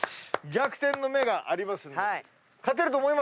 逆転の目がありますので。